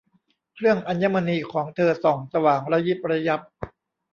เครื่องอัญมณีของเธอส่องสว่างระยิบระยับ